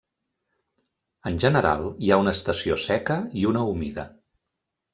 En general, hi ha una estació seca i una humida.